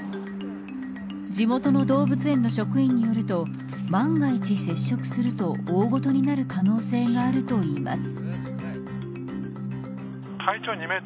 地元の動物園の職員によると万が一接触すると大事ごとになる可能性があるといいます。